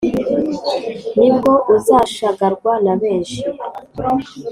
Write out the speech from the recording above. nibwo uzashagarwa na benshi